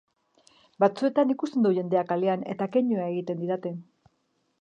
Batzuetan ikusten dut jendea kalean eta keinua egiten didate.